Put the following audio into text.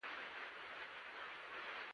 د مرستو زیاته برخه په منشور کې وړاندوینه شوې.